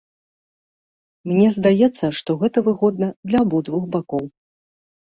Мне здаецца, што гэта выгодна для абодвух бакоў.